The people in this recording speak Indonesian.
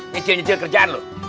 kecil kecil kerjaan lo